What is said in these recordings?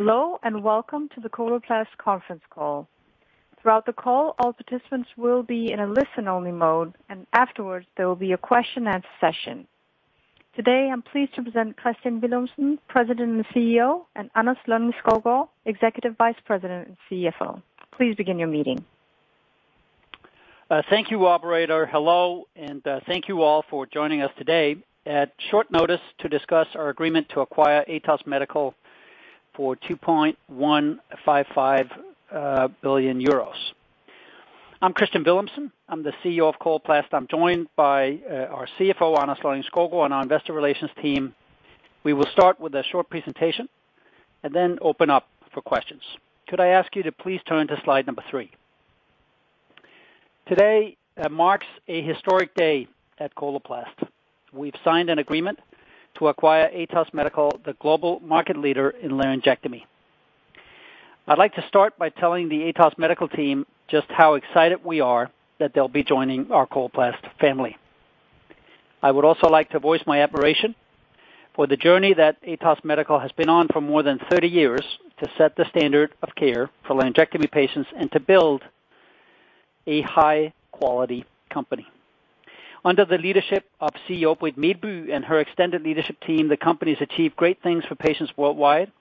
Hello, and welcome to the Coloplast conference call. Throughout the call, all participants will be in a listen-only mode, and afterwards, there will be a Q&A session. Today, I'm pleased to present Kristian Villumsen, President and CEO, and Anders Lonning-Skovgaard, Executive Vice President and CFO. Please begin your meeting. Thank you, operator. Hello, and thank you all for joining us today at short notice to discuss our agreement to acquire Atos Medical for 2.155 billion euros. I'm Kristian Villumsen. I'm the CEO of Coloplast. I'm joined by our CFO, Anders Lonning-Skovgaard, and our investor relations team. We will start with a short presentation and then open up for questions. Could I ask you to please turn to slide number three. Today marks a historic day at Coloplast. We've signed an agreement to acquire Atos Medical, the global market leader in laryngectomy. I'd like to start by telling the Atos Medical team just how excited we are that they'll be joining our Coloplast family. I would also like to voice my admiration for the journey that Atos Medical has been on for more than 30 years to set the standard of care for laryngectomy patients and to build a high-quality company. Under the leadership of CEO Britt Meelby Jensen and her extended leadership team, the company has achieved great things for patients worldwide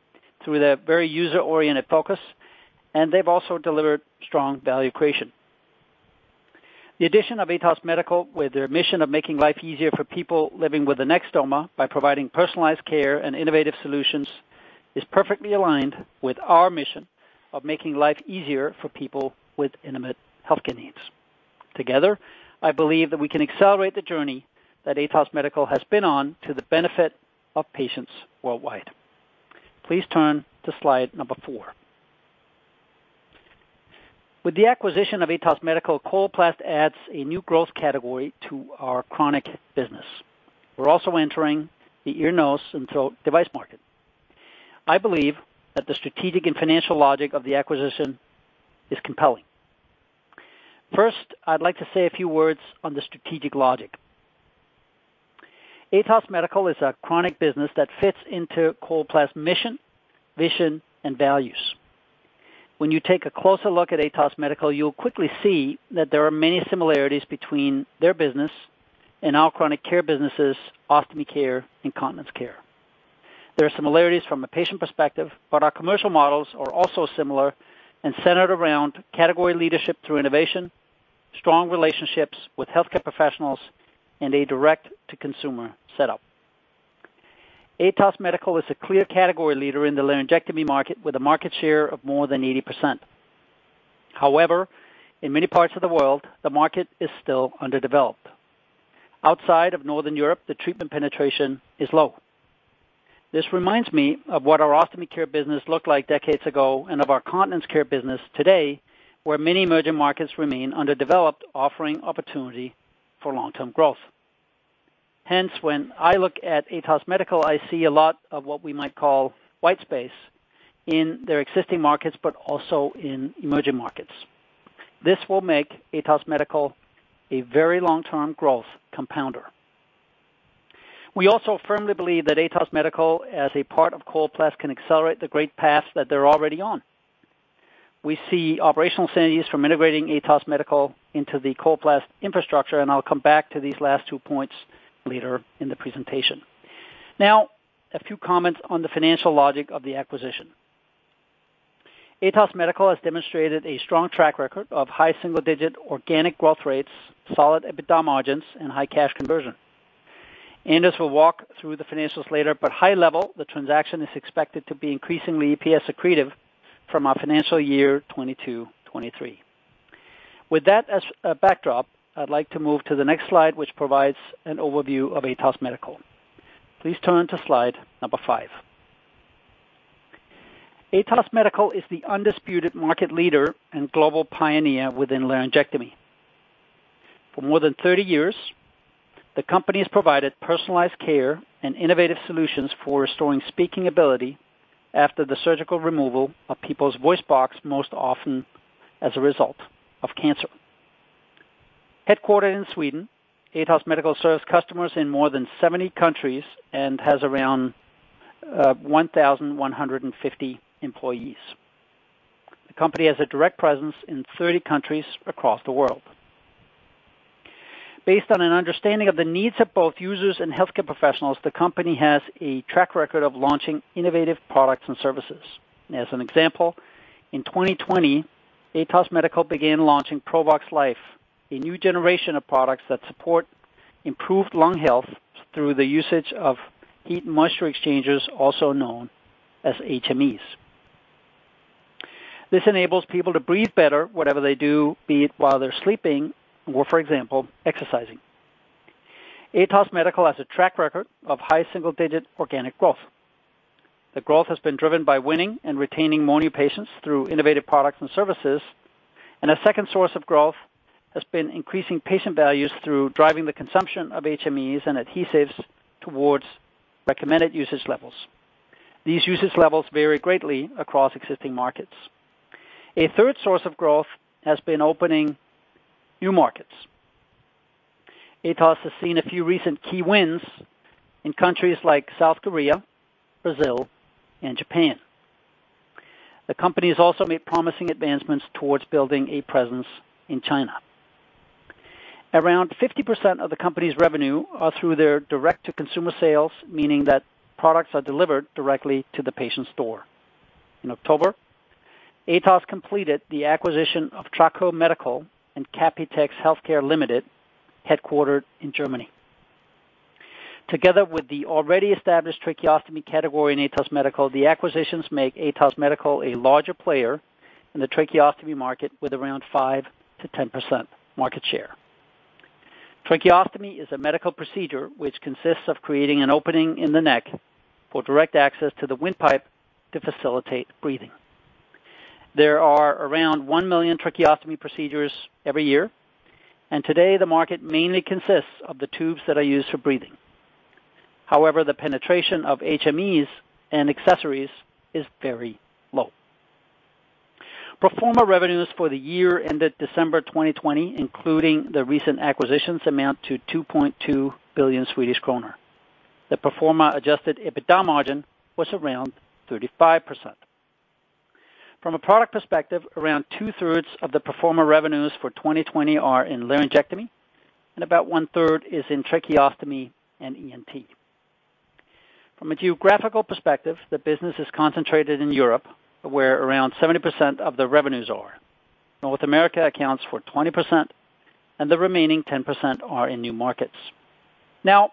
through their very user-oriented focus, and they've also delivered strong value creation. The addition of Atos Medical with their mission of making life easier for people living with a stoma by providing personalized care and innovative solutions is perfectly aligned with our mission of making life easier for people with intimate healthcare needs. Together, I believe that we can accelerate the journey that Atos Medical has been on to the benefit of patients worldwide. Please turn to slide number four. With the acquisition of Atos Medical, Coloplast adds a new growth category to our chronic business. We're also entering the ear, nose and throat device market. I believe that the strategic and financial logic of the acquisition is compelling. First, I'd like to say a few words on the strategic logic. Atos Medical is a chronic business that fits into Coloplast's mission, vision, and values. When you take a closer look at Atos Medical, you'll quickly see that there are many similarities between their business and our chronic care businesses, ostomy care and continence care. There are similarities from a patient perspective, but our commercial models are also similar and centered around category leadership through innovation, strong relationships with healthcare professionals and a direct-to-consumer setup. Atos Medical is a clear category leader in the laryngectomy market with a market share of more than 80%. However, in many parts of the world, the market is still underdeveloped. Outside of Northern Europe, the treatment penetration is low. This reminds me of what our ostomy care business looked like decades ago and of our continence care business today, where many emerging markets remain underdeveloped, offering opportunity for long-term growth. Hence, when I look at Atos Medical, I see a lot of what we might call white space in their existing markets, but also in emerging markets. This will make Atos Medical a very long-term growth compounder. We also firmly believe that Atos Medical, as a part of Coloplast, can accelerate the great path that they're already on. We see operational synergies from integrating Atos Medical into the Coloplast infrastructure, and I'll come back to these last two points later in the presentation. Now, a few comments on the financial logic of the acquisition. Atos Medical has demonstrated a strong track record of high single-digit organic growth rates, solid EBITDA margins and high cash conversion. Anders will walk through the financials later, but, high level, the transaction is expected to be increasingly EPS accretive from our financial year 2022, 2023. With that as a backdrop, I'd like to move to the next slide, which provides an overview of Atos Medical. Please turn to slide number five. Atos Medical is the undisputed market leader and global pioneer within laryngectomy. For more than 30 years, the company has provided personalized care and innovative solutions for restoring speaking ability after the surgical removal of people's voice box, most often as a result of cancer. Headquartered in Sweden, Atos Medical serves customers in more than 70 countries and has around 1,150 employees. The company has a direct presence in 30 countries across the world. Based on an understanding of the needs of both users and healthcare professionals, the company has a track record of launching innovative products and services. As an example, in 2020, Atos Medical began launching Provox Life, a new generation of products that support improved lung health through the usage of heat and moisture exchangers, also known as HMEs. This enables people to breathe better whatever they do, be it while they're sleeping or, for example, exercising. Atos Medical has a track record of high single-digit organic growth. The growth has been driven by winning and retaining more new patients through innovative products and services. A second source of growth has been increasing patient values through driving the consumption of HMEs and adhesives towards recommended usage levels. These usage levels vary greatly across existing markets. A third source of growth has been opening new markets. Atos Medical has seen a few recent key wins in countries like South Korea, Brazil, and Japan. The company has also made promising advancements towards building a presence in China. Around 50% of the company's revenue are through their direct-to-consumer sales, meaning that products are delivered directly to the patient's door. In October, Atos Medical completed the acquisition of TRACOE medical and Kapitex Healthcare Limited, headquartered in Germany. Together with the already established tracheostomy category in Atos Medical, the acquisitions make Atos Medical a larger player in the tracheostomy market with around 5%-10% market share. Tracheostomy is a medical procedure which consists of creating an opening in the neck for direct access to the windpipe to facilitate breathing. There are around 1 million tracheostomy procedures every year, and today the market mainly consists of the tubes that are used for breathing. However, the penetration of HMEs and accessories is very low. Pro forma revenues for the year ended December 2020, including the recent acquisitions, amount to 2.2 billion Swedish kronor. The pro forma adjusted EBITDA margin was around 35%. From a product perspective, around 2/3 of the pro forma revenues for 2020 are in laryngectomy, and about 1/3 is in tracheostomy and ENT. From a geographical perspective, the business is concentrated in Europe, where around 70% of the revenues are. North America accounts for 20%, and the remaining 10% are in new markets. Now,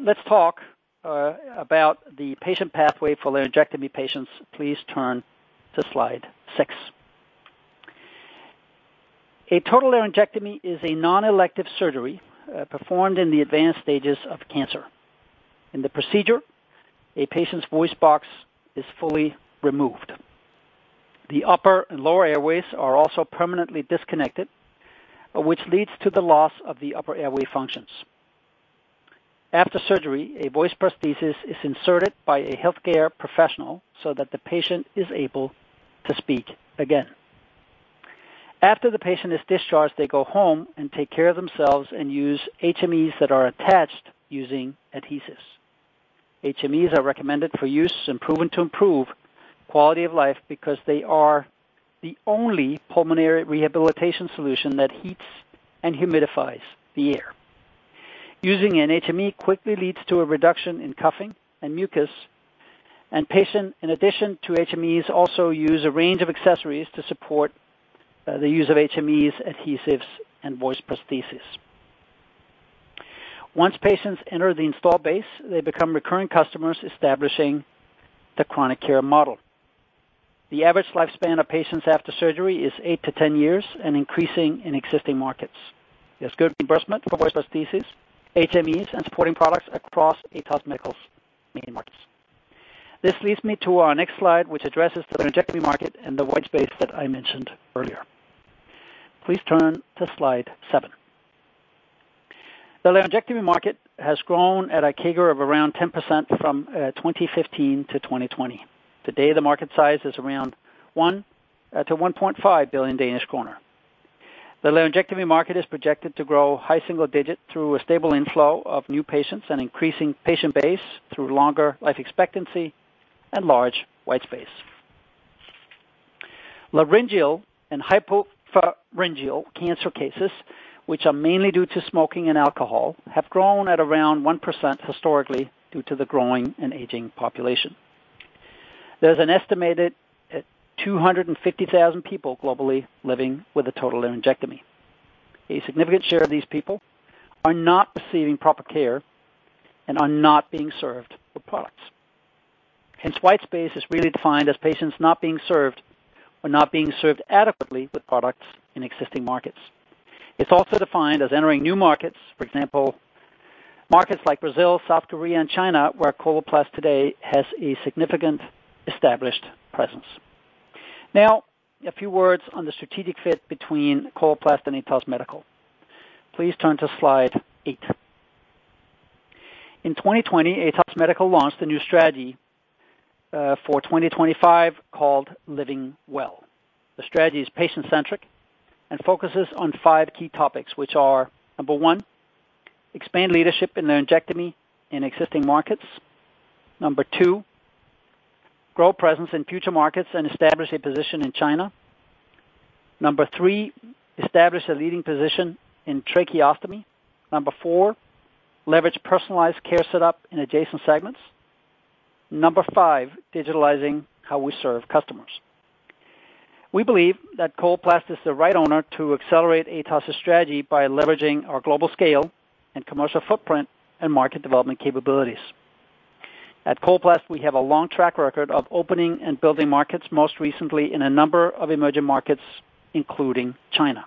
let's talk about the patient pathway for laryngectomy patients. Please turn to slide six. A total laryngectomy is a non-elective surgery, performed in the advanced stages of cancer. In the procedure, a patient's voice box is fully removed. The upper and lower airways are also permanently disconnected, which leads to the loss of the upper airway functions. After surgery, a voice prosthesis is inserted by a healthcare professional so that the patient is able to speak again. After the patient is discharged, they go home and take care of themselves and use HMEs that are attached using adhesives. HMEs are recommended for use and proven to improve quality of life because they are the only pulmonary rehabilitation solution that heats and humidifies the air. Using an HME quickly leads to a reduction in coughing and mucus, and patients, in addition to HMEs, also use a range of accessories to support the use of HMEs, adhesives, and voice prosthesis. Once patients enter the installed base, they become recurring customers establishing the chronic care model. The average lifespan of patients after surgery is 8-10 years and increasing in existing markets. There's good reimbursement for voice prosthesis, HMEs, and supporting products across Atos Medical's main markets. This leads me to our next slide, which addresses the laryngectomy market and the white space that I mentioned earlier. Please turn to slide seven. The laryngectomy market has grown at a CAGR of around 10% from 2015 to 2020. Today, the market size is around one billion-1.5 billion Danish kroner. The laryngectomy market is projected to grow high single-digit % through a stable inflow of new patients, an increasing patient base through longer life expectancy and large white space. Laryngeal and hypopharyngeal cancer cases, which are mainly due to smoking and alcohol, have grown at around 1% historically due to the growing and aging population. There's an estimated 250,000 people globally living with a total laryngectomy. A significant share of these people are not receiving proper care and are not being served with products. Hence, white space is really defined as patients not being served or not being served adequately with products in existing markets. It's also defined as entering new markets. For example, markets like Brazil, South Korea, and China, where Coloplast today has a significant established presence. Now, a few words on the strategic fit between Coloplast and Atos Medical. Please turn to slide eight. In 2020, Atos Medical launched a new strategy for 2025 called Living Well. The strategy is patient-centric and focuses on five key topics, which are, number one, expand leadership in laryngectomy in existing markets. Number two, grow presence in future markets and establish a position in China. Number three, establish a leading position in tracheostomy. Number four, leverage personalized care setup in adjacent segments. Number five, digitizing how we serve customers. We believe that Coloplast is the right owner to accelerate Atos' strategy by leveraging our global scale and commercial footprint and market development capabilities. At Coloplast, we have a long track record of opening and building markets, most recently in a number of emerging markets, including China.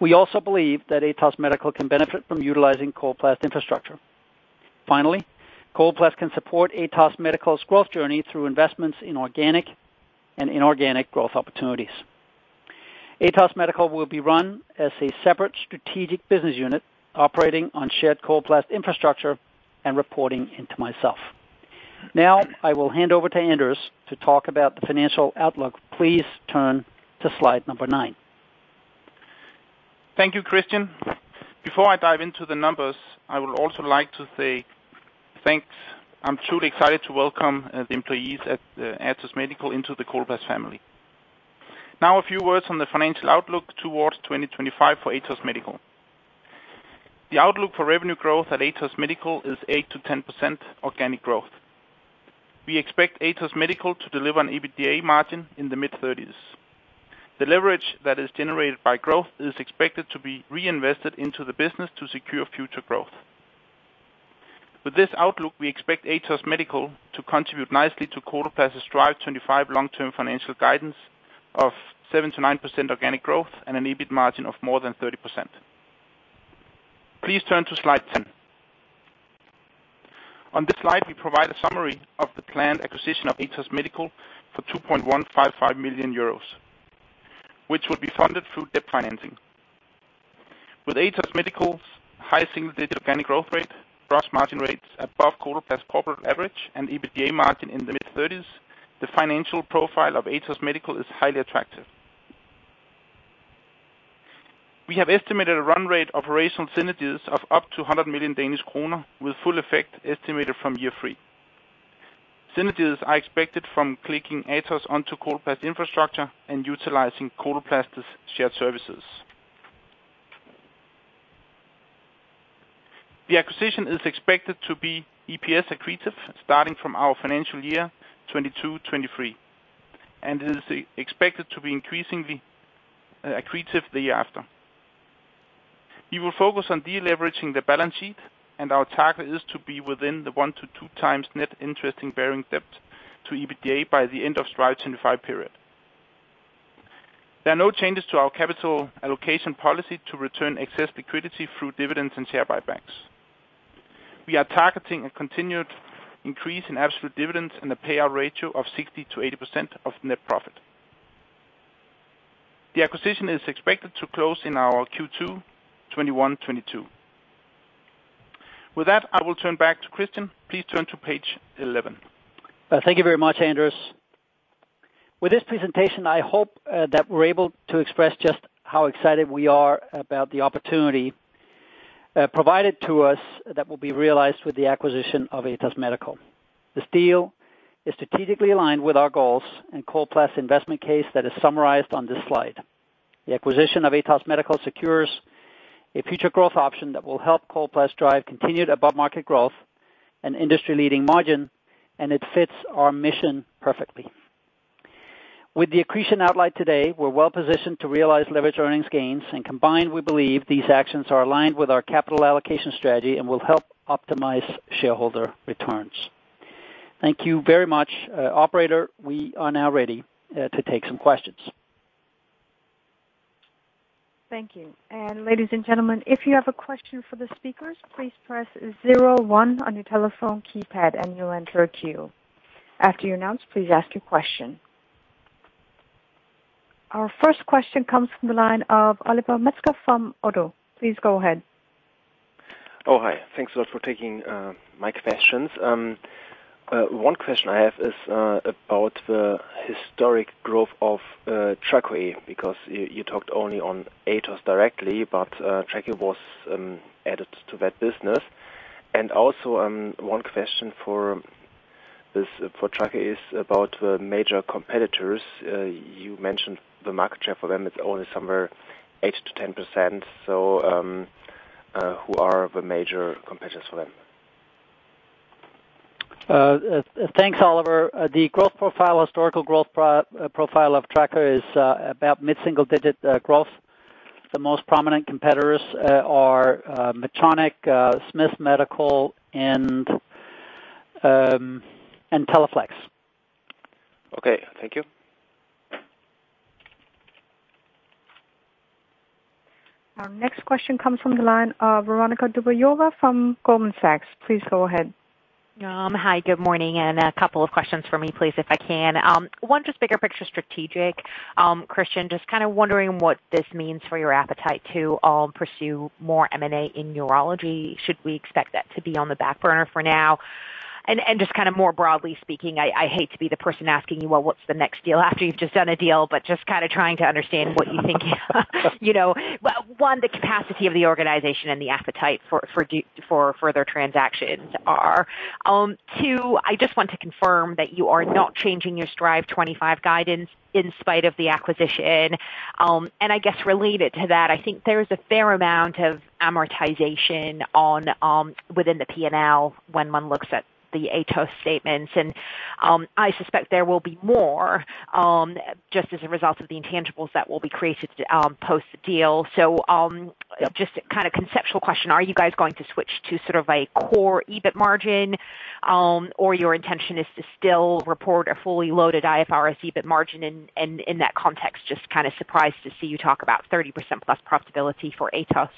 We also believe that Atos Medical can benefit from utilizing Coloplast infrastructure. Finally, Coloplast can support Atos Medical's growth journey through investments in organic and inorganic growth opportunities. Atos Medical will be run as a separate strategic business unit operating on shared Coloplast infrastructure and reporting into myself. Now I will hand over to Anders to talk about the financial outlook. Please turn to slide number nine. Thank you, Kristian. Before I dive into the numbers, I would also like to say thanks. I'm truly excited to welcome the employees at Atos Medical into the Coloplast family. Now a few words on the financial outlook towards 2025 for Atos Medical. The outlook for revenue growth at Atos Medical is 8%-10% organic growth. We expect Atos Medical to deliver an EBITDA margin in the mid-30s. The leverage that is generated by growth is expected to be reinvested into the business to secure future growth. With this outlook, we expect Atos Medical to contribute nicely to Coloplast's Strive25 long-term financial guidance of 7%-9% organic growth and an EBIT margin of more than 30%. Please turn to slide 10. On this slide we provide a summary of the planned acquisition of Atos Medical for 2.155 billion euros, which will be funded through debt financing. With Atos Medical's high single-digit organic growth rate, gross margin rates above Coloplast's corporate average and EBITDA margin in the mid-30s%, the financial profile of Atos Medical is highly attractive. We have estimated a run rate operational synergies of up to 100 million Danish kroner with full effect estimated from year three. Synergies are expected from clicking Atos onto Coloplast's infrastructure and utilizing Coloplast's shared services. The acquisition is expected to be EPS accretive starting from our financial year 2022-2023, and is expected to be increasingly accretive the year after. We will focus on deleveraging the balance sheet and our target is to be within the one-two times net interest-bearing debt to EBITDA by the end of Strive25 period. There are no changes to our capital allocation policy to return excess liquidity through dividends and share buybacks. We are targeting a continued increase in absolute dividends and a payout ratio of 60%-80% of net profit. The acquisition is expected to close in our Q2 2022. With that, I will turn back to Kristian. Please turn to page 11. Thank you very much, Anders Lonning-Skovgaard. With this presentation, I hope that we're able to express just how excited we are about the opportunity provided to us that will be realized with the acquisition of Atos Medical. This deal is strategically aligned with our goals and Coloplast's investment case that is summarized on this slide. The acquisition of Atos Medical secures a future growth option that will help Coloplast drive continued above market growth and industry-leading margin, and it fits our mission perfectly. With the accretion outlined today, we're well-positioned to realize leverage earnings gains, and combined, we believe these actions are aligned with our capital allocation strategy and will help optimize shareholder returns. Thank you very much. Operator, we are now ready to take some questions. Thank you. Ladies and gentlemen, if you have a question for the speakers, please press zero one on your telephone keypad, and you'll enter a queue. After you announce, please ask your question. Our first question comes from the line of Oliver Metzger from ODDO. Please go ahead. Oh, hi. Thanks a lot for taking my questions. One question I have is about the historic growth of TRACOE because you talked only on Atos directly, but TRACOE was added to that business. Also, one question for this, for TRACOE is about the major competitors. You mentioned the market share for them is only somewhere 8%-10%. Who are the major competitors for them? Thanks, Oliver. The growth profile, historical growth profile of TRACOE is about mid-single-digit growth. The most prominent competitors are Medtronic, Smiths Medical and Teleflex. Okay. Thank you. Our next question comes from the line of Veronika Dubajova from Goldman Sachs. Please go ahead. Hi, good morning. A couple of questions for me, please, if I can. One, just bigger picture strategic. Kristian, just kind of wondering what this means for your appetite to pursue more M&A in urology. Should we expect that to be on the back burner for now? Just kind of more broadly speaking, I hate to be the person asking you, well, what's the next deal after you've just done a deal, but just kind of trying to understand what you think, you know, one, the capacity of the organization and the appetite for their transactions are. Two, I just want to confirm that you are not changing your Strive25 guidance in spite of the acquisition. I guess related to that, I think there's a fair amount of amortization on, within the P&L when one looks at the Atos statements. I suspect there will be more, just as a result of the intangibles that will be created, post-deal. Just a kind of conceptual question, are you guys going to switch to sort of a core EBIT margin, or your intention is to still report a fully loaded IFRS EBIT margin? In that context, just kind of surprised to see you talk about 30%+ profitability for Atos.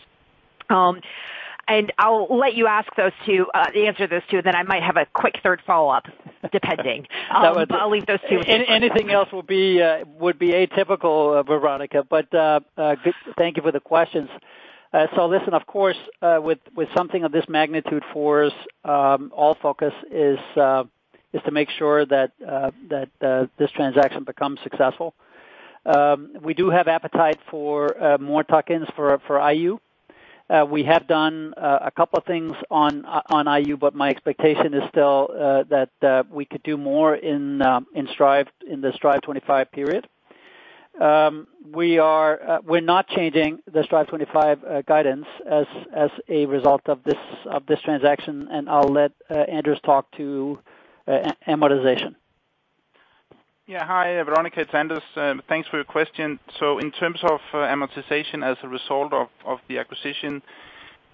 I'll let you answer those two, then I might have a quick third follow-up, depending. I'll leave those two as the first questions. Anything else would be atypical, Veronika, but good, thank you for the questions. So listen, of course, with something of this magnitude for us, all focus is to make sure that this transaction becomes successful. We do have appetite for more tuck-ins for IU. We have done a couple of things on IU, but my expectation is still that we could do more in Strive, in the Strive25 period. We're not changing the Strive25 guidance as a result of this transaction, and I'll let Anders talk to amortization. Hi, Veronika. It's Anders. Thanks for your question. In terms of amortization as a result of the acquisition,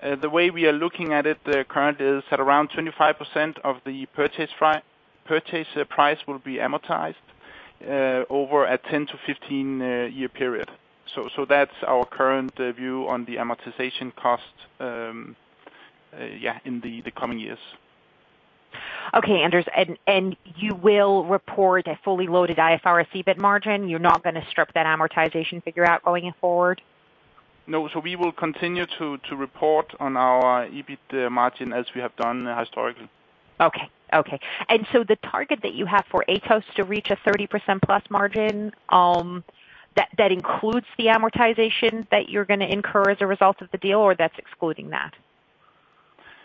the way we are looking at it, the current is at around 25% of the purchase price will be amortized over a 10-15-year period. That's our current view on the amortization cost in the coming years. Okay, Anders. You will report a fully loaded IFRS EBIT margin? You're not gonna strip that amortization figure out going forward? No. We will continue to report on our EBIT margin as we have done historically. Okay. The target that you have for Atos to reach a 30%+ margin, that includes the amortization that you're gonna incur as a result of the deal, or that's excluding that?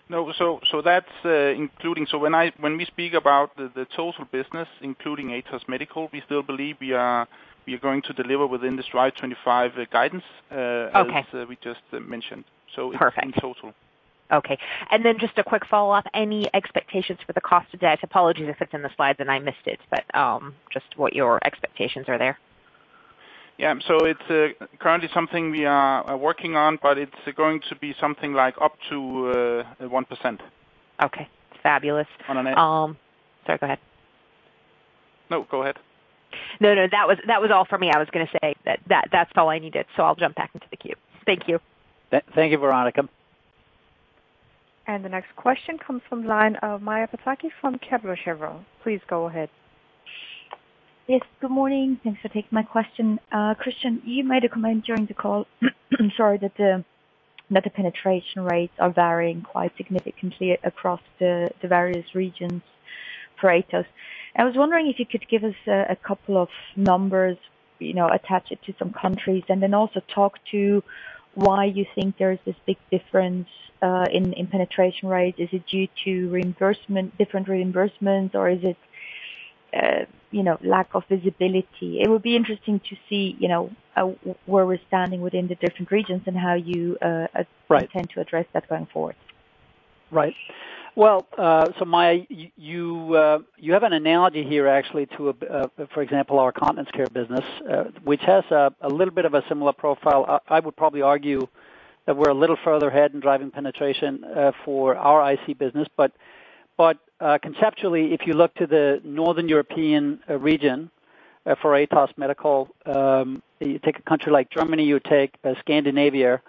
No. That's including. When we speak about the total business, including Atos Medical, we still believe we are going to deliver within the Strive25 guidance. Okay. As we just mentioned. Perfect. In total. Okay. Just a quick follow-up. Any expectations for the cost of debt? Apologies if it's in the slides and I missed it, but just what your expectations are there. It's currently something we are working on, but it's going to be something like up to 1%. Okay. Fabulous. On an- Sorry, go ahead. No, go ahead. No, that was all for me. I was gonna say that that's all I needed, so I'll jump back into the queue. Thank you. Thank you, Veronika. The next question comes from the line of Maja Pataki from Kepler Cheuvreux. Please go ahead. Yes, good morning. Thanks for taking my question. Kristian, you made a comment during the call, I'm sorry, that the penetration rates are varying quite significantly across the various regions for Atos. I was wondering if you could give us a couple of numbers, you know, attach it to some countries, and then also talk to why you think there is this big difference in penetration rates. Is it due to reimbursement, different reimbursements, or is it, you know, lack of visibility? It would be interesting to see, you know, where we're standing within the different regions and how you Right. intend to address that going forward. Right. Well, Maja, you have an analogy here actually to, for example, our continence care business, which has a little bit of a similar profile. I would probably argue that we're a little further ahead in driving penetration for our IC business. Conceptually, if you look to the northern European region for Atos Medical, you take a country like Germany, you take Scandinavia,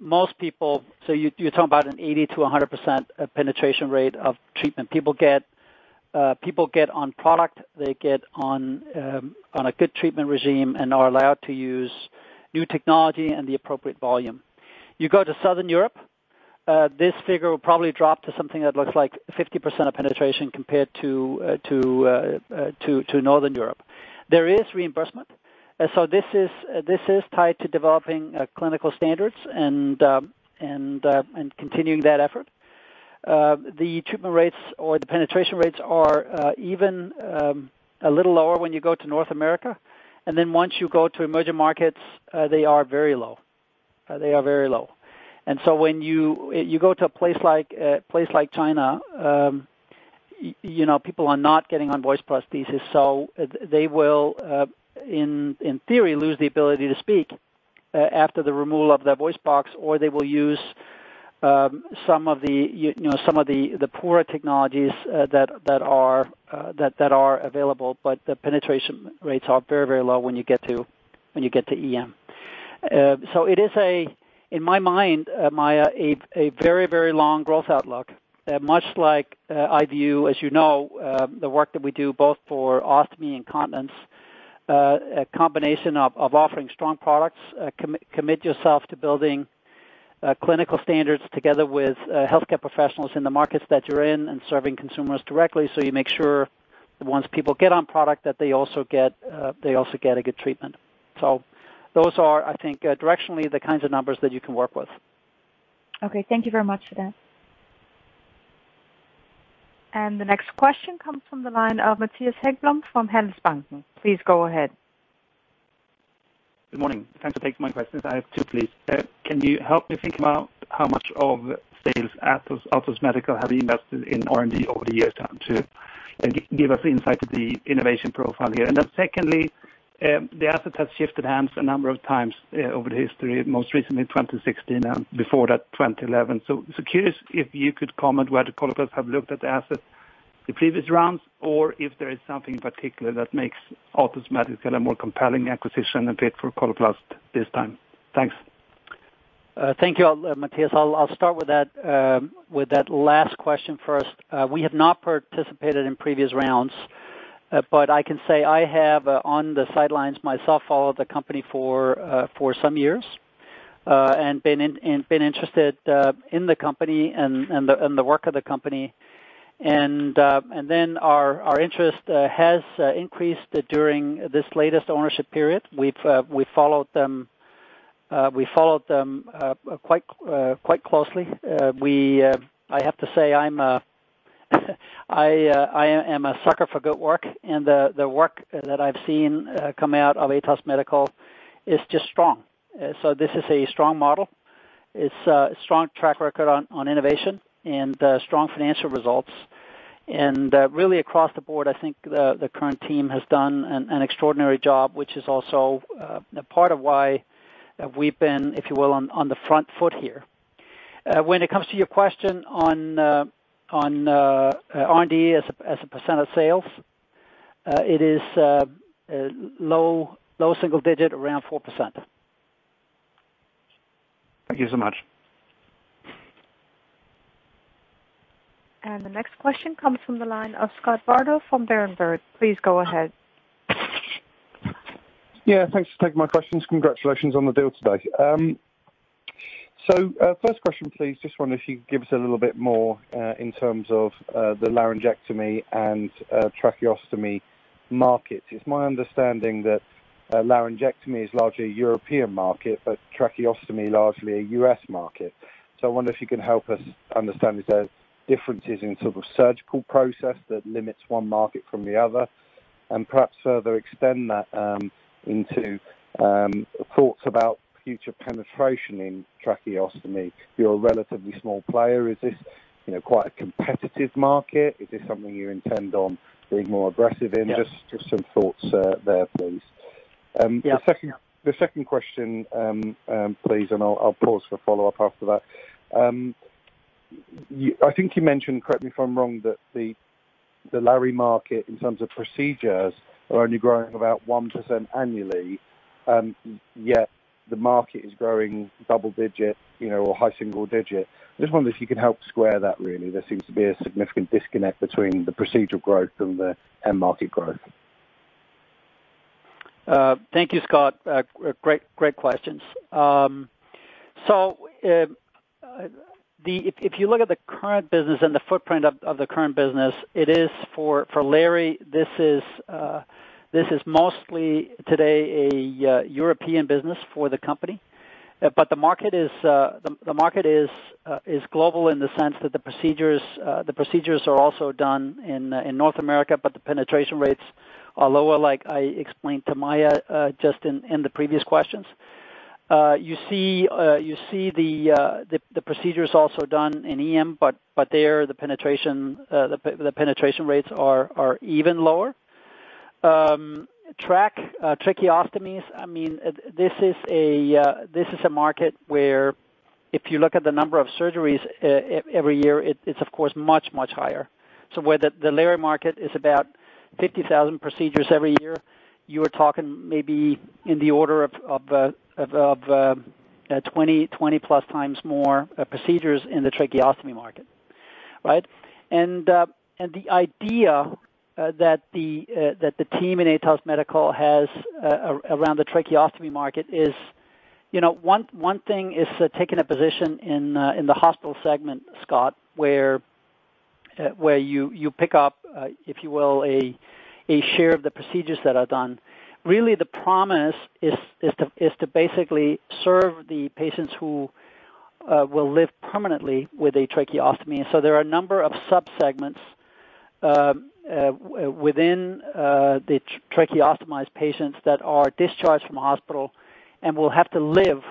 most people you're talking about an 80%-100% penetration rate of treatment. People get on product, they get on a good treatment regime and are allowed to use new technology and the appropriate volume. You go to Southern Europe, this figure will probably drop to something that looks like 50% of penetration compared to Northern Europe. There is reimbursement. This is tied to developing clinical standards and continuing that effort. The treatment rates or the penetration rates are even a little lower when you go to North America. Once you go to emerging markets, they are very low. When you go to a place like China, you know, people are not getting on voice prosthesis. They will, in theory, lose the ability to speak after the removal of their voice box, or they will use some of the poorer technologies that are available. The penetration rates are very low when you get to EM. In my mind, Maja, a very long growth outlook, much like IU, as you know, the work that we do both for ostomy and continence. A combination of offering strong products, commit yourself to building clinical standards together with healthcare professionals in the markets that you're in and serving consumers directly, so you make sure that once people get on product, that they also get a good treatment. Those are, I think, directionally, the kinds of numbers that you can work with. Okay. Thank you very much for that. The next question comes from the line of Mattias Häggblom from Handelsbanken. Please go ahead. Good morning. Thanks for taking my questions. I have two, please. Can you help me think about how much of sales Atos Medical have invested in R&D over the years? Time to give us insight into the innovation profile here. Secondly, the asset has shifted hands a number of times over the history, most recently 2016, and before that, 2011. Curious if you could comment whether Coloplast have looked at the asset the previous rounds or if there is something in particular that makes Atos Medical a more compelling acquisition and fit for Coloplast this time. Thanks. Thank you, Mattias. I'll start with that last question first. We have not participated in previous rounds. I can say I have, on the sidelines myself, followed the company for some years and been interested in the company and the work of the company. Our interest has increased during this latest ownership period. We've followed them quite closely. I have to say I am a sucker for good work, and the work that I've seen come out of Atos Medical is just strong. This is a strong model. It's a strong track record on innovation and strong financial results. Really across the board, I think the current team has done an extraordinary job, which is also a part of why we've been, if you will, on the front foot here. When it comes to your question on R&D as a percent of sales, it is low single digit, around 4%. Thank you so much. The next question comes from the line of Scott Bardo from Berenberg. Please go ahead. Yeah, thanks for taking my questions. Congratulations on the deal today. So, first question, please. Just wonder if you could give us a little bit more in terms of the laryngectomy and tracheostomy markets. It's my understanding that laryngectomy is largely a European market, but tracheostomy largely a U.S. market. I wonder if you can help us understand if there's differences in sort of surgical process that limits one market from the other, and perhaps further extend that into thoughts about future penetration in tracheostomy. You're a relatively small player. Is this, you know, quite a competitive market? Is this something you intend on being more aggressive in? Yeah. Just some thoughts there, please. The second- Yeah. The second question, please, and I'll pause for follow-up after that. I think you mentioned, correct me if I'm wrong, that the lary market in terms of procedures are only growing about 1% annually, yet the market is growing double-digit, you know, or high single-digit. I just wonder if you could help square that, really. There seems to be a significant disconnect between the procedural growth and the end market growth. Thank you, Scott. Great questions. If you look at the current business and the footprint of the current business, it is for lary, this is mostly today a European business for the company. But the market is global in the sense that the procedures are also done in North America, but the penetration rates are lower, like I explained to Maja, just in the previous questions. You see the procedure is also done in EM, but there, the penetration rates are even lower. Trach, tracheostomies, I mean, this is a market where if you look at the number of surgeries every year, it's of course much higher. Where the lary market is about 50,000 procedures every year, you are talking maybe in the order of 20+ times more procedures in the tracheostomy market. Right? The idea that the team in Atos Medical has around the tracheostomy market is, you know, one thing is taking a position in the hospital segment, Scott, where you pick up, if you will, a share of the procedures that are done. Really, the promise is to basically serve the patients who will live permanently with a tracheostomy. There are a number of subsegments within the tracheostomized patients that are discharged from hospital and will have to live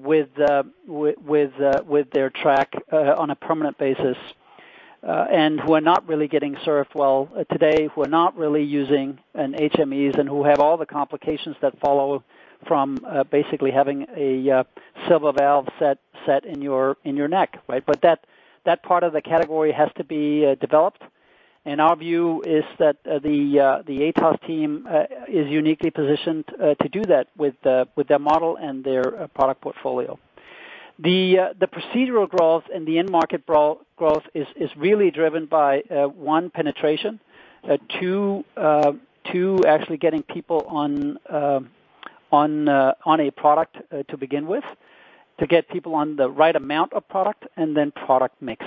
with their trach on a permanent basis and who are not really getting served well today, who are not really using an HMEs and who have all the complications that follow from basically having a silver valve set in your neck, right? That part of the category has to be developed. Our view is that the Atos team is uniquely positioned to do that with their model and their product portfolio. The procedural growth and the end market growth is really driven by one penetration. Two, actually getting people on a product to begin with, to get people on the right amount of product and then product mix.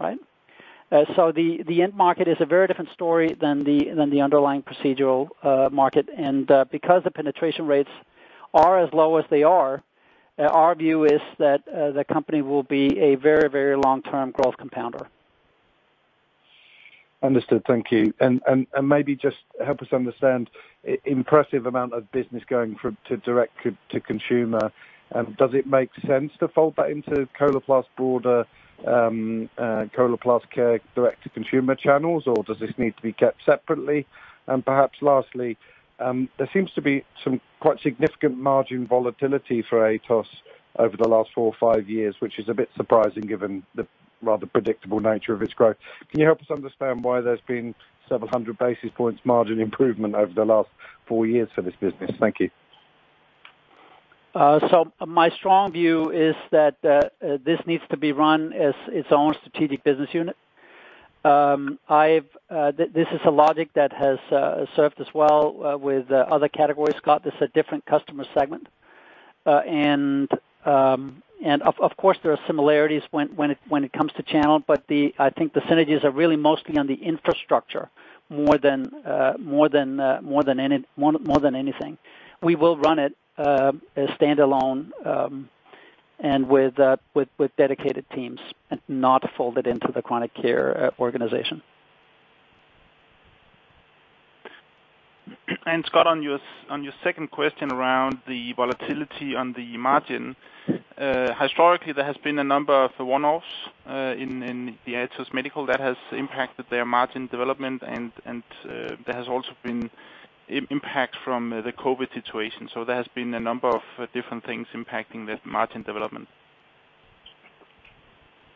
All right? The end market is a very different story than the underlying procedural market. Because the penetration rates are as low as they are, our view is that the company will be a very, very long-term growth compounder. Understood. Thank you. Maybe just help us understand impressive amount of business going direct to consumer. Does it make sense to fold that into Coloplast's broader Coloplast Care direct-to-consumer channels, or does this need to be kept separately? Perhaps lastly, there seems to be some quite significant margin volatility for Atos over the last four or five years, which is a bit surprising given the rather predictable nature of its growth. Can you help us understand why there's been several hundred basis points margin improvement over the last four years for this business? Thank you. My strong view is that this needs to be run as its own strategic business unit. This is a logic that has served us well with other categories. Scott, this is a different customer segment. Of course, there are similarities when it comes to channel. I think the synergies are really mostly on the infrastructure more than anything. We will run it as standalone and with dedicated teams and not folded into the chronic care organization. Scott, on your second question around the volatility on the margin, historically, there has been a number of one-offs, in the Atos Medical that has impacted their margin development and, there has also been impact from the COVID situation. There has been a number of different things impacting the margin development.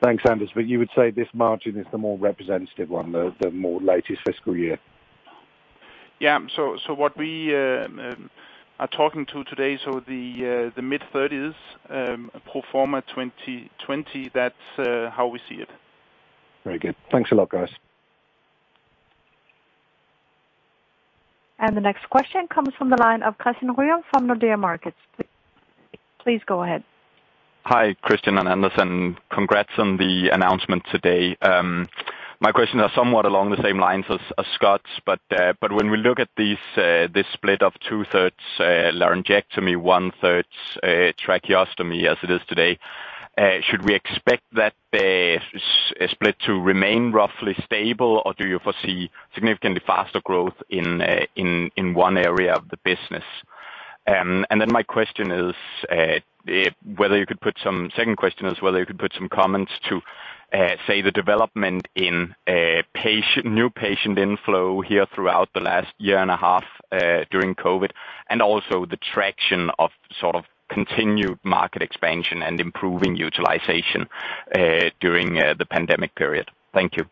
Thanks, Anders. You would say this margin is the more representative one, the more latest fiscal year? What we are talking about today, the mid-30s pro forma 2020, that's how we see it. Very good. Thanks a lot, guys. The next question comes from the line of Christian Sørup Ryom from Nordea Markets. Please go ahead. Hi, Kristian and Anders, and congrats on the announcement today. My questions are somewhat along the same lines as Scott's. When we look at this split of two-thirds laryngectomy, one-third tracheostomy as it is today, should we expect that split to remain roughly stable, or do you foresee significantly faster growth in one area of the business? And then my question is whether you could put some comments to say the development in patient new patient inflow here throughout the last year and a half during COVID, and also the traction of sort of continued market expansion and improving utilization during the pandemic period. Thank you.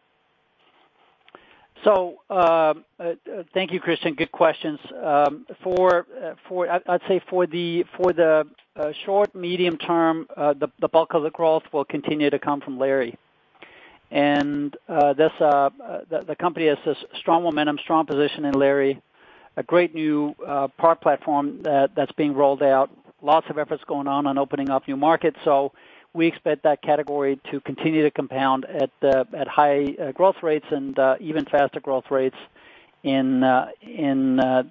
Thank you, Christian. Good questions. I'd say for the short, medium term, the bulk of the growth will continue to come from lary. That's the company has this strong momentum, strong position in lary, a great new product platform that's being rolled out, lots of efforts going on opening up new markets. We expect that category to continue to compound at high growth rates and even faster growth rates in the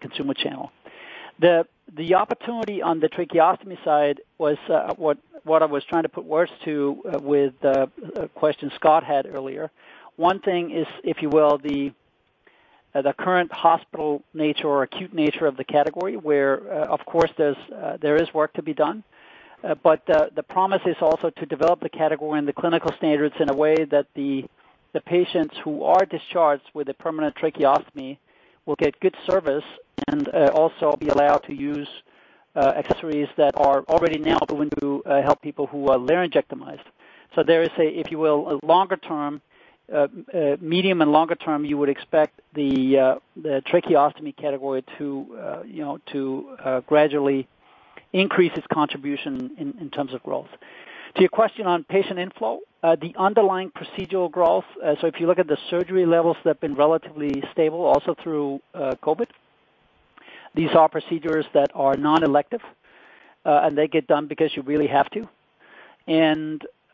consumer channel. The opportunity on the tracheostomy side was what I was trying to put words to with a question Scott had earlier. One thing is, if you will, the current hospital nature or acute nature of the category, where, of course, there is work to be done. But the promise is also to develop the category and the clinical standards in a way that the patients who are discharged with a permanent tracheostomy will get good service and also be allowed to use accessories that are already now going to help people who are laryngectomized. There is a, if you will, longer term, medium and longer term, you would expect the tracheostomy category to, you know, to gradually increase its contribution in terms of growth. To your question on patient inflow, the underlying procedural growth, if you look at the surgery levels that have been relatively stable also through COVID, these are procedures that are non-elective, and they get done because you really have to.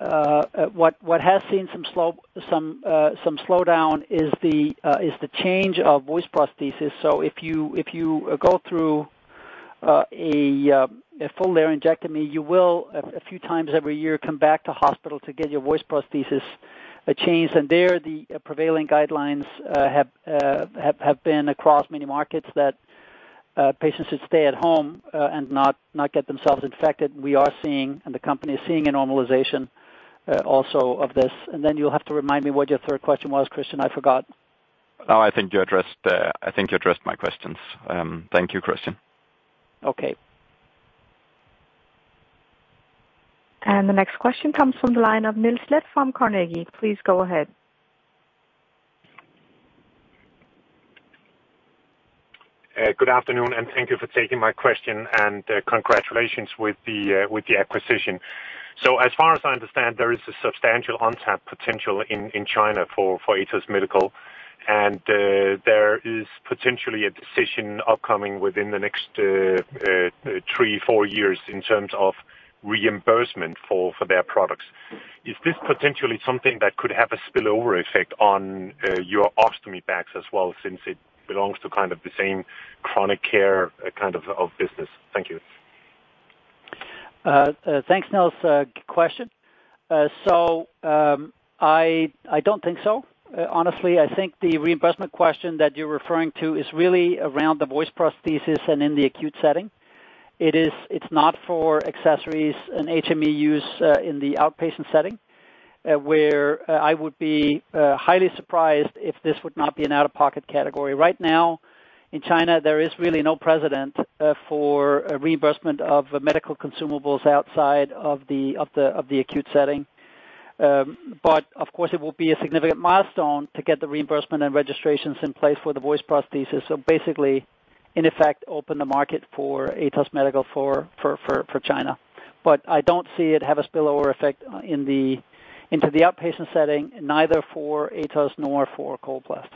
What has seen some slowdown is the change of voice prosthesis. If you go through a full laryngectomy, you will a few times every year come back to hospital to get your voice prosthesis changed. There, the prevailing guidelines have been across many markets that patients should stay at home and not get themselves infected. We are seeing, and the company is seeing a normalization also of this. You'll have to remind me what your third question was, Christian. I forgot. No, I think you addressed my questions. Thank you, Kristian. Okay. The next question comes from the line of Niels Granholm-Leth from Carnegie. Please go ahead. Good afternoon, and thank you for taking my question, and congratulations with the acquisition. As far as I understand, there is a substantial untapped potential in China for Atos Medical, and there is potentially a decision upcoming within the next 3-4 years in terms of reimbursement for their products. Is this potentially something that could have a spillover effect on your ostomy bags as well, since it belongs to kind of the same chronic care kind of business? Thank you. Thanks, Niels. Good question. I don't think so. Honestly, I think the reimbursement question that you're referring to is really around the voice prosthesis and in the acute setting. It's not for accessories and HME use in the outpatient setting, where I would be highly surprised if this would not be an out-of-pocket category. Right now, in China, there is really no precedent for a reimbursement of medical consumables outside of the acute setting. Of course it will be a significant milestone to get the reimbursement and registrations in place for the voice prosthesis, so basically, in effect, to open the market for Atos Medical for China. I don't see it have a spillover effect into the outpatient setting, neither for Atos nor for Coloplast.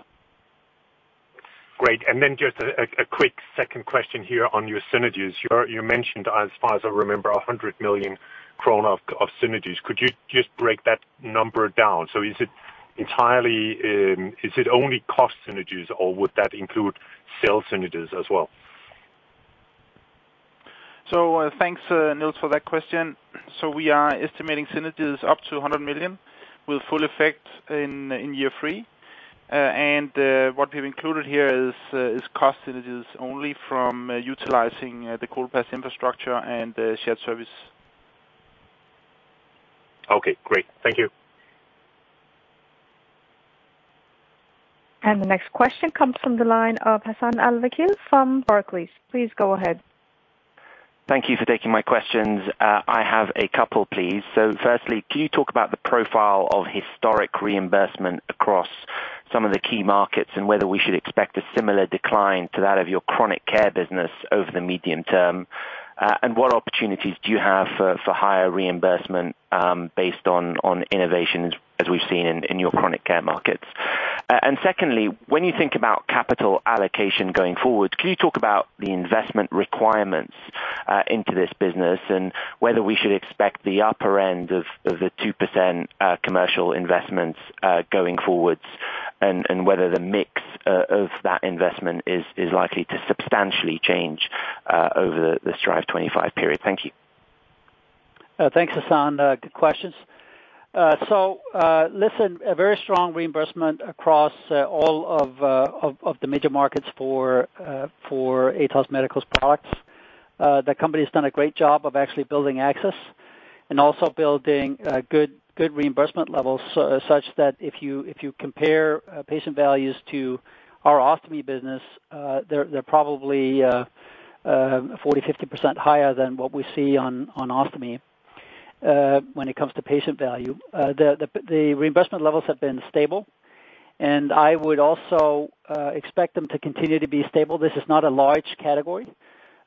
Great. Then just a quick second question here on your synergies. You mentioned, as far as I remember, 100 million kronor of synergies. Could you just break that number down? Is it entirely only cost synergies or would that include sales synergies as well? Thanks, Niels for that question. We are estimating synergies up to 100 million with full effect in year three. What we've included here is cost synergies only from utilizing the Coloplast infrastructure and shared service. Okay, great. Thank you. The next question comes from the line of Hassan Al-Wakeel from Barclays. Please go ahead. Thank you for taking my questions. I have a couple, please. Firstly, can you talk about the profile of historic reimbursement across some of the key markets, and whether we should expect a similar decline to that of your chronic care business over the medium term? And what opportunities do you have for higher reimbursement, based on innovations as we've seen in your chronic care markets? And secondly, when you think about capital allocation going forward, can you talk about the investment requirements into this business and whether we should expect the upper end of the 2% commercial investments going forward, and whether the mix of that investment is likely to substantially change over the Strive25 period? Thank you. Thanks, Hassan. Good questions. Listen, a very strong reimbursement across all of the major markets for Atos Medical's products. The company's done a great job of actually building access and also building good reimbursement levels such that if you compare patient values to our ostomy business, they're probably 40%-50% higher than what we see on ostomy when it comes to patient value. The reimbursement levels have been stable, and I would also expect them to continue to be stable. This is not a large category.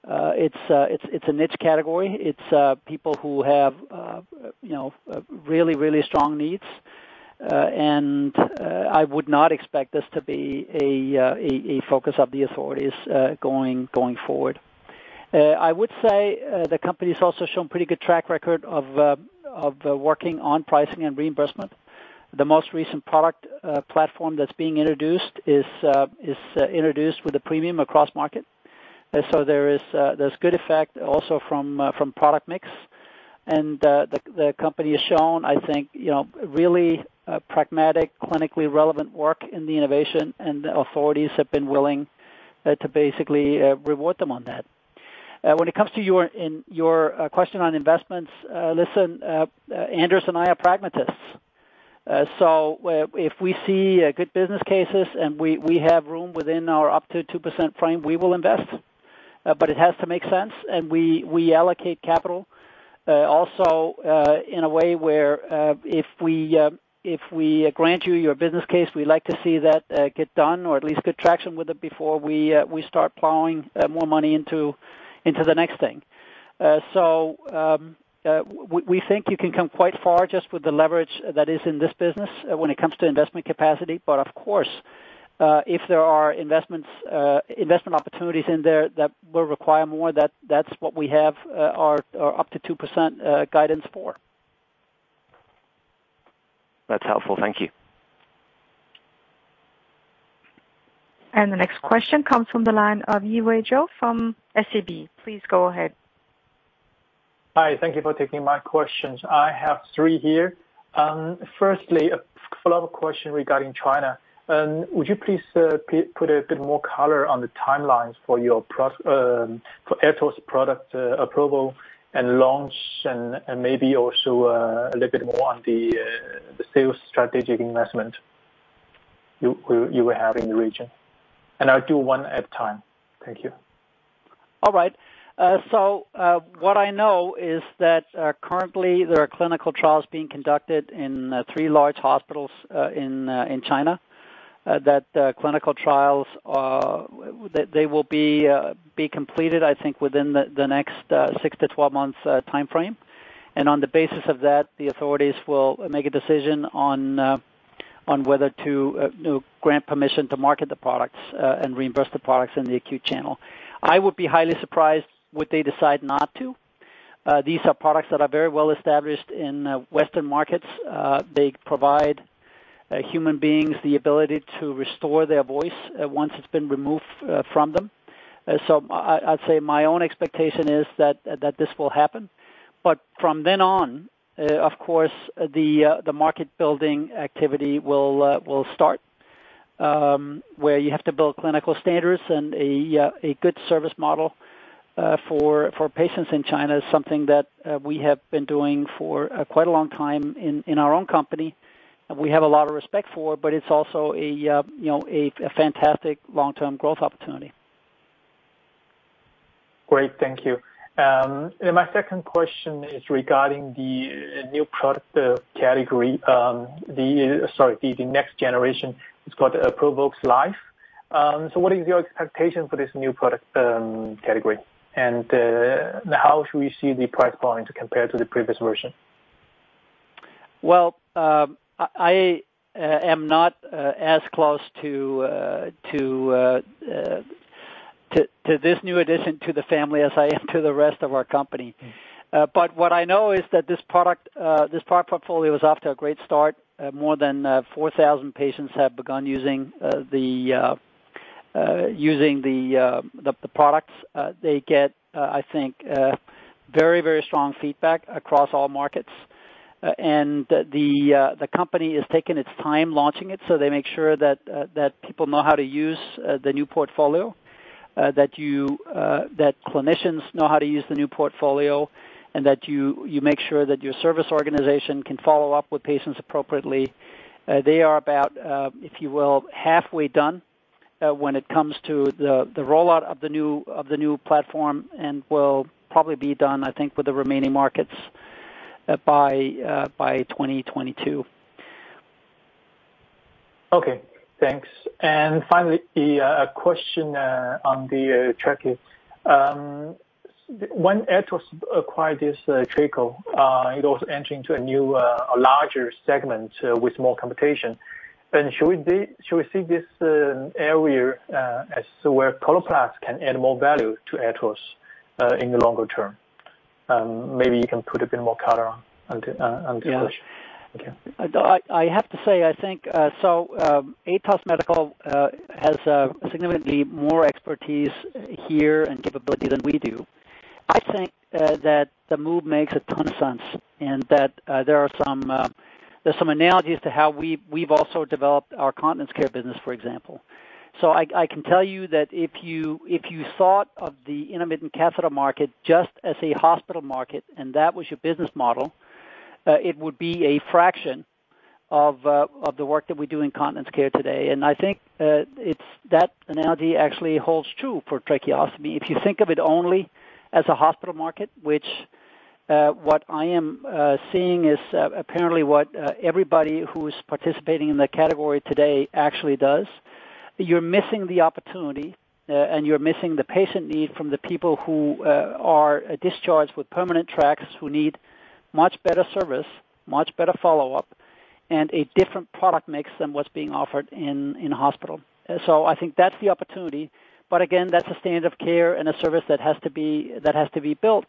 It's a niche category. It's people who have, you know, really strong needs. I would not expect this to be a focus of the authorities going forward. I would say the company's also shown pretty good track record of working on pricing and reimbursement. The most recent product platform that's being introduced is introduced with a premium across market. There's good effect also from product mix. The company has shown, I think, you know, really pragmatic, clinically relevant work in the innovation, and the authorities have been willing to basically reward them on that. When it comes to your question on investments, listen, Anders and I are pragmatists. If we see good business cases and we have room within our up to 2% frame, we will invest. It has to make sense, and we allocate capital also in a way where if we grant you your business case, we like to see that get done or at least good traction with it before we start plowing more money into the next thing. We think you can come quite far just with the leverage that is in this business when it comes to investment capacity. Of course, if there are investment opportunities in there that will require more, that's what we have our up to 2% guidance for. That's helpful. Thank you. The next question comes from the line of Yiwei Zhou from SEB. Please go ahead. Hi. Thank you for taking my questions. I have three here. Firstly, a follow-up question regarding China. Would you please put a bit more color on the timelines for your Atos product approval and launch and maybe also a little bit more on the sales strategic investment you have in the region? I'll do one at a time. Thank you. All right. So, what I know is that currently there are clinical trials being conducted in three large hospitals in China. That clinical trials will be completed, I think, within the next six-12 months timeframe. On the basis of that, the authorities will make a decision on whether to grant permission to market the products and reimburse the products in the acute channel. I would be highly surprised would they decide not to. These are products that are very well established in Western markets. They provide human beings the ability to restore their voice once it's been removed from them. I'd say my own expectation is that this will happen. From then on, of course, the market building activity will start, where you have to build clinical standards and a good service model for patients in China is something that we have been doing for quite a long time in our own company. We have a lot of respect for that, but it's also, you know, a fantastic long-term growth opportunity. Great. Thank you. My second question is regarding the new product category. The next generation. It's called Provox Life. So what is your expectation for this new product category? How should we see the price point compared to the previous version? I am not as close to this new addition to the family as I am to the rest of our company. What I know is that this product portfolio is off to a great start. More than 4,000 patients have begun using the products. They get, I think, very strong feedback across all markets. The company has taken its time launching it, so they make sure that people know how to use the new portfolio, that clinicians know how to use the new portfolio, and that you make sure that your service organization can follow up with patients appropriately. They are about, if you will, halfway done when it comes to the rollout of the new platform, and will probably be done, I think, with the remaining markets by 2022. Okay. Thanks. Finally, the question on the trachea. When Atos acquired this TRACOE, it was entering into a new, a larger segment with more competition. Should we see this area as to where Coloplast can add more value to Atos in the longer term? Maybe you can put a bit more color on this. Yeah. Okay. I have to say, I think Atos Medical has significantly more expertise here and capability than we do. I think that the move makes a ton of sense and that there are some analogies to how we've also developed our continence care business, for example. I can tell you that if you thought of the intermittent catheter market just as a hospital market and that was your business model, it would be a fraction of the work that we do in continence care today. I think that analogy actually holds true for tracheostomy. If you think of it only as a hospital market, which what I am seeing is apparently what everybody who's participating in the category today actually does, you're missing the opportunity, and you're missing the patient need from the people who are discharged with permanent trachs who need much better service, much better follow-up, and a different product mix than what's being offered in hospital. I think that's the opportunity. Again, that's a standard of care and a service that has to be built.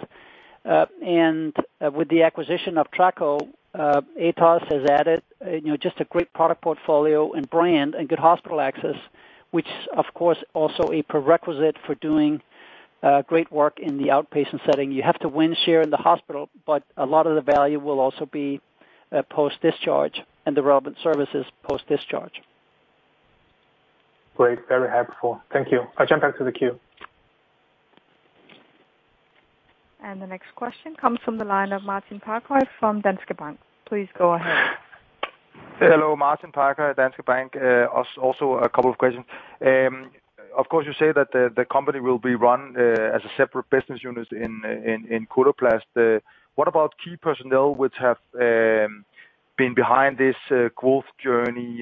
With the acquisition of TRACOE, Atos has added, you know, just a great product portfolio and brand and good hospital access, which of course also a prerequisite for doing great work in the outpatient setting. You have to win share in the hospital, but a lot of the value will also be post-discharge and the relevant services post-discharge. Great. Very helpful. Thank you. I'll jump back to the queue. The next question comes from the line of Martin Parkhøi from Danske Bank. Please go ahead. Hello, Martin Parkhøi, Danske Bank. Also a couple of questions. Of course, you say that the company will be run as a separate business unit in Coloplast. What about key personnel which have been behind this growth journey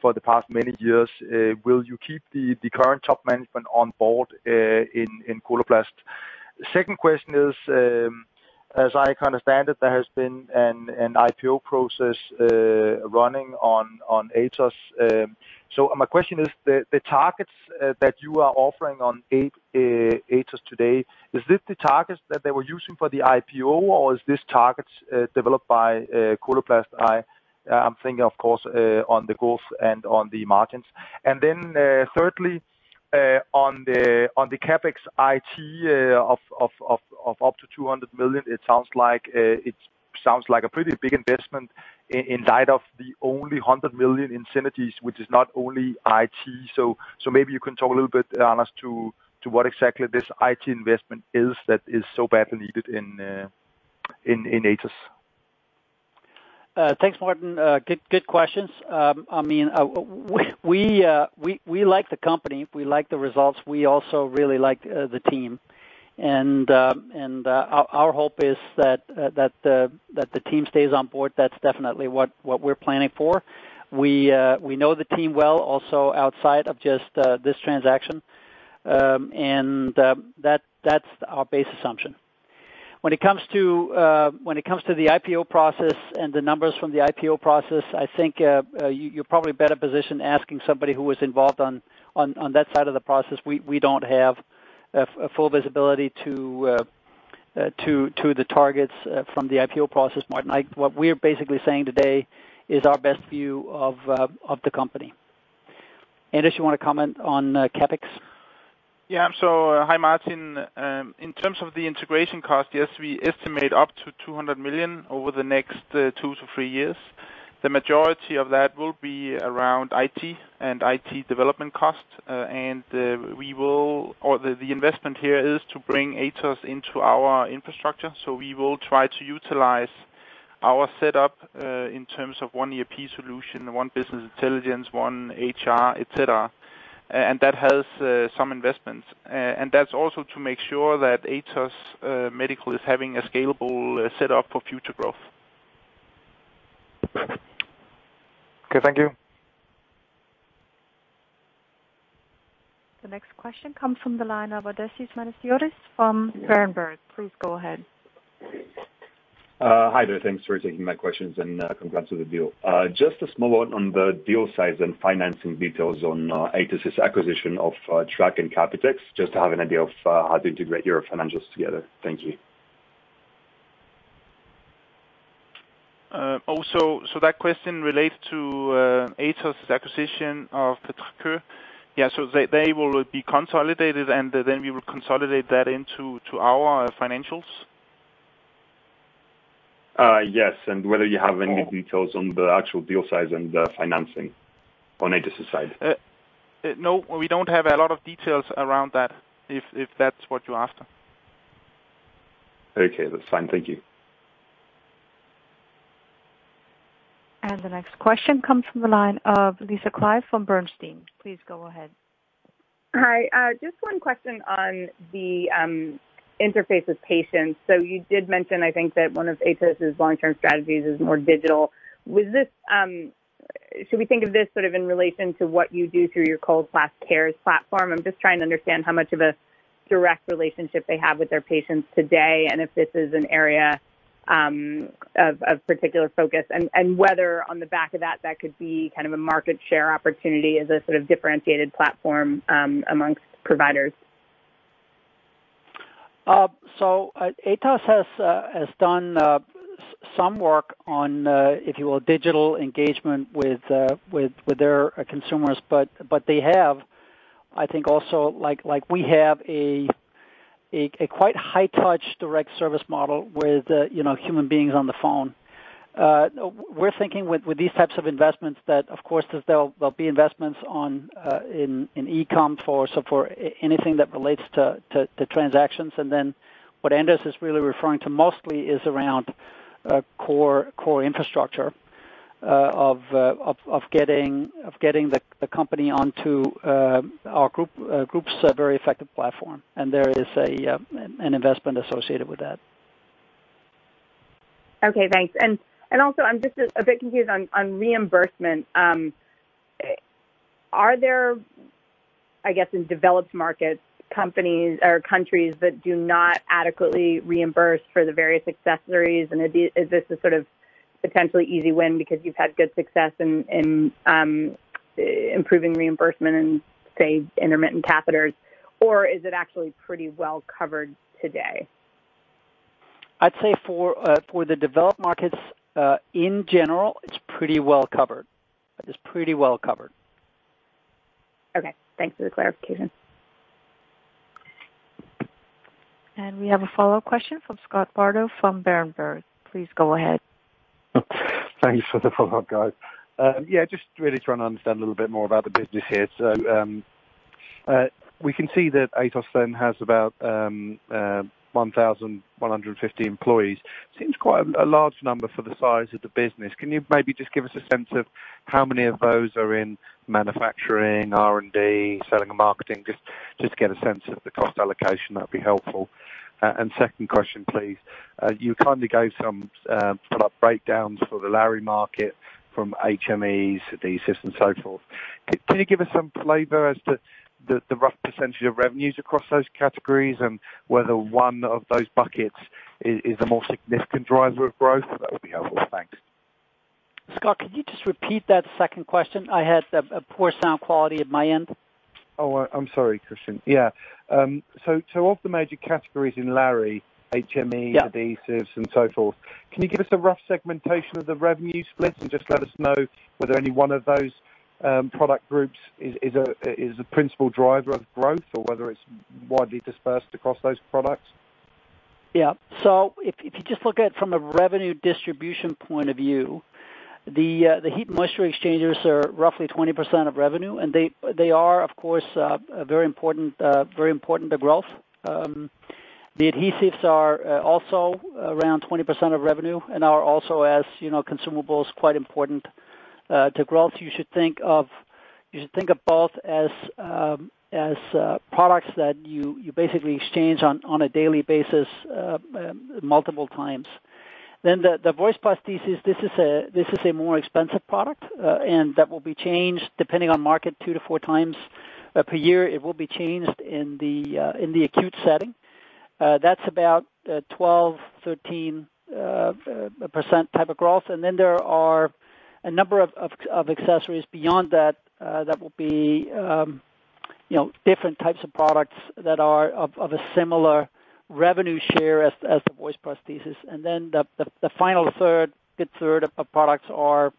for the past many years? Will you keep the current top management on board in Coloplast? Second question is, as I understand it, there has been an IPO process running on Atos. My question is the targets that you are offering on Atos today, is this the targets that they were using for the IPO, or is this targets developed by Coloplast? I'm thinking of course on the growth and on the margins. Thirdly, on the CapEx IT of up to 200 million, it sounds like a pretty big investment in light of the only 100 million in synergies, which is not only IT. Maybe you can talk a little bit, Anders, to what exactly this IT investment is that is so badly needed in Atos. Thanks, Martin. Good questions. I mean, we like the company. We like the results. We also really like the team. Our hope is that the team stays on board. That's definitely what we're planning for. We know the team well also outside of just this transaction. That's our base assumption. When it comes to the IPO process and the numbers from the IPO process, I think you're probably better positioned asking somebody who was involved on that side of the process. We don't have a full visibility to the targets from the IPO process, Martin. What we're basically saying today is our best view of the company. Anders, you wanna comment on CapEx? Hi, Martin. In terms of the integration cost, yes, we estimate up to 200 million over the next two-three years. The majority of that will be around IT and IT development costs. The investment here is to bring Atos Medical into our infrastructure, so we will try to utilize our setup in terms of one ERP solution, one business intelligence, one HR, et cetera. That has some investments. That's also to make sure that Atos Medical is having a scalable setup for future growth. Okay, thank you. The next question comes from the line of Odysseas Manesiotis from Berenberg. Please go ahead. Hi there. Thanks for taking my questions, and congrats on the deal. Just a small one on the deal size and financing details on Atos' acquisition of TRACOE and Kapitex, just to have an idea of how to integrate your financials together. Thank you. Also, that question relates to Atos' acquisition of the TRACOE. Yeah, they will be consolidated, and then we will consolidate that into our financials. Whether you have any details on the actual deal size and financing on Atos' side. No, we don't have a lot of details around that, if that's what you're after. Okay, that's fine. Thank you. The next question comes from the line of Lisa Clive from Bernstein. Please go ahead. Hi. Just one question on the interface with patients. You did mention, I think, that one of Atos' long-term strategies is more digital. Should we think of this sort of in relation to what you do through your Coloplast Care platform? I'm just trying to understand how much of a direct relationship they have with their patients today, and if this is an area of particular focus. Whether on the back of that could be kind of a market share opportunity as a sort of differentiated platform among providers. Atos has done some work on, if you will, digital engagement with their consumers. They have, I think, also, like we have, a quite high-touch direct service model with, you know, human beings on the phone. We're thinking with these types of investments that, of course, there'll be investments in e-com for anything that relates to transactions. Then what Anders is really referring to mostly is around core infrastructure of getting the company onto our group's very effective platform. There is an investment associated with that. Okay, thanks. Also, I'm just a bit confused on reimbursement. Are there, I guess, in developed markets, companies or countries that do not adequately reimburse for the various accessories? Is this a sort of potentially easy win because you've had good success in improving reimbursement in, say, intermittent catheters? Is it actually pretty well-covered today? I'd say for the developed markets, in general, it's pretty well-covered. It is pretty well covered. Okay. Thanks for the clarification. We have a follow question from Scott Bardo from Berenberg. Please go ahead. Thanks for the follow-up, guys. Yeah, just really trying to understand a little bit more about the business here. We can see that Atos then has about 1,150 employees. Seems quite a large number for the size of the business. Can you maybe just give us a sense of how many of those are in manufacturing, R&D, selling and marketing? Just to get a sense of the cost allocation, that'd be helpful. Second question, please. You kind of gave some product breakdowns for the lary market from HMEs, adhesives, and so forth. Can you give us some flavor as to the rough percentage of revenues across those categories and whether one of those buckets is a more significant driver of growth? That would be helpful. Thanks. Scott, could you just repeat that second question? I had a poor sound quality at my end. I'm sorry, Kristian. Yeah. Of the major categories in lary, HME- Yeah adhesives and so forth, can you give us a rough segmentation of the revenue splits and just let us know whether any one of those product groups is a principal driver of growth or whether it's widely dispersed across those products? If you just look at from a revenue distribution point of view, the heat and moisture exchangers are roughly 20% of revenue, and they are, of course, a very important to growth. The adhesives are also around 20% of revenue and are also, as you know, consumables, quite important to growth. You should think of both as products that you basically exchange on a daily basis multiple times. The voice prosthesis, this is a more expensive product, and that will be changed, depending on market, two-four times per year. It will be changed in the acute setting. That's about 12-13% type of growth. There are a number of accessories beyond that, you know, different types of products that are of a similar revenue share as the voice prosthesis. The final third, good third of products are,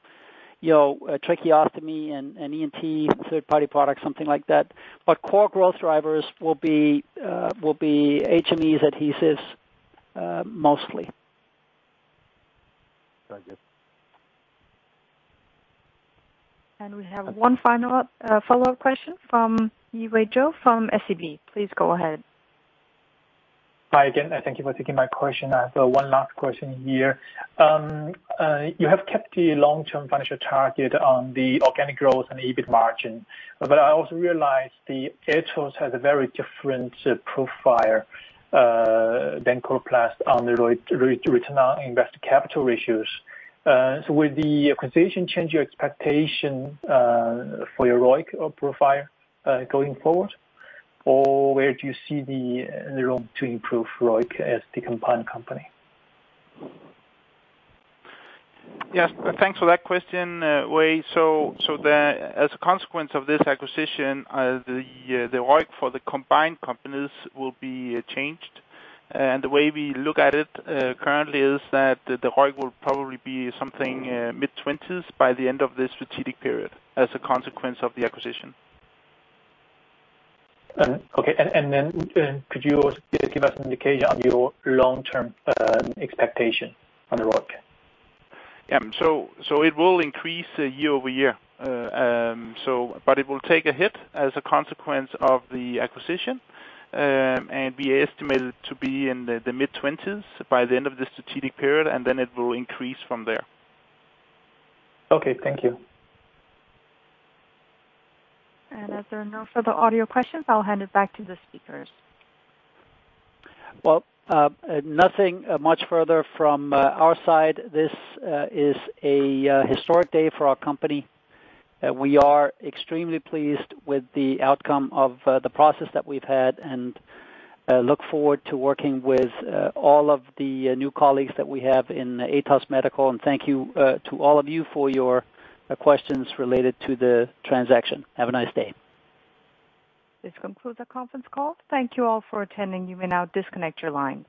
you know, tracheostomy and ENT third-party products, something like that. Core growth drivers will be HMEs, adhesives, mostly. Very good. We have one final follow-up question from Yiwei Zhou from SEB. Please go ahead. Hi again, and thank you for taking my question. I have one last question here. You have kept the long-term financial target on the organic growth and EBIT margin. I also realize the Atos has a very different profile than Coloplast on the return on invested capital ratios. Will the acquisition change your expectation for your ROIC profile going forward? Or where do you see the room to improve ROIC as the combined company? Yes. Thanks for that question, Wei. As a consequence of this acquisition, the ROIC for the combined companies will be changed. The way we look at it currently is that the ROIC will probably be something mid-20s by the end of this strategic period as a consequence of the acquisition. Okay. Then, could you give us an indication on your long-term expectation on the ROIC? It will increase year-over-year. It will take a hit as a consequence of the acquisition, and we estimate it to be in the mid-20s by the end of the strategic period, and then it will increase from there. Okay, thank you. As there are no further audio questions, I'll hand it back to the speakers. Well, nothing much further from our side. This is a historic day for our company. We are extremely pleased with the outcome of the process that we've had and look forward to working with all of the new colleagues that we have in Atos Medical. Thank you to all of you for your questions related to the transaction. Have a nice day. This concludes our conference call. Thank you all for attending. You may now disconnect your line.